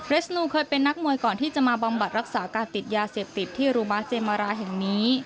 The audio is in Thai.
ชนูเคยเป็นนักมวยก่อนที่จะมาบำบัดรักษาการติดยาเสพติดที่รูบาเจมราแห่งนี้